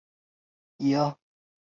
伍氏大宗祠的历史年代为清代。